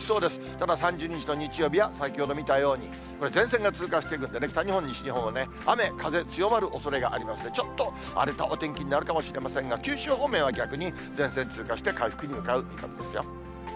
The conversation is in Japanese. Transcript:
ただ、３０日の日曜日は先ほど見たように、前線が通過していくんでね、北日本、西日本は雨、風強まるおそれがありますので、ちょっと荒れたお天気になるかもしれませんが、九州方面は逆に前線通過して、回復に向かう見込みですよ。